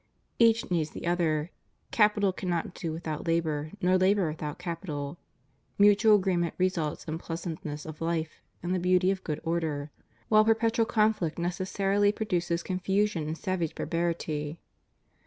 Each needs the other: Capital cannot can not do without Labor, nor Labor without Capital. Mutual agreement results in pleasantness of life and the beauty of good order; while perpetual conflict necessarily pro duces confusion and savage barbarity.